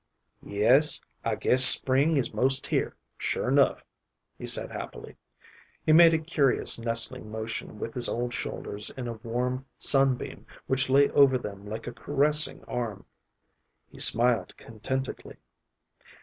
"Yes, I guess spring is 'most here, sure 'nough," he said, happily. He made a curious nestling motion with his old shoulders in a warm sunbeam which lay over them like a caressing arm. He smiled contentedly.